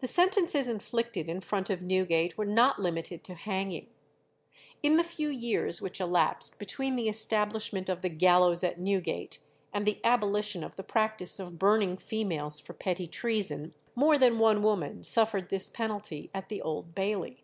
The sentences inflicted in front of Newgate were not limited to hanging. In the few years which elapsed between the establishment of the gallows at Newgate and the abolition of the practice of burning females for petty treason, more than one woman suffered this penalty at the Old Bailey.